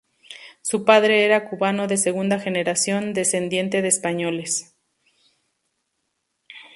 Su padre era cubano de segunda generación, descendiente de españoles.